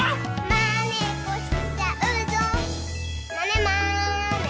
「まねっこしちゃうぞまねまねぽん！」